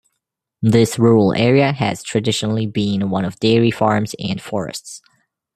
This rural area has traditionally been one of dairy farms and forests.